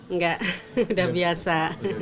nggak udah biasa